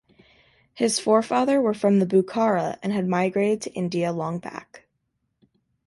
His forefather were from Bukhara and had migrated to India long back.